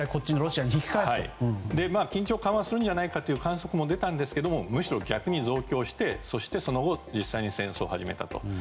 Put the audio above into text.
緊張緩和するんじゃないかとの観測も出たんですけどもむしろ逆に増強してそしてその後実際に戦争を始めたと。